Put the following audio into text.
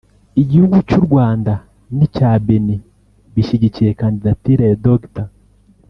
Igihugu cy’u Rwanda n’icya Benin bishyigikiye kandidatire ya Dr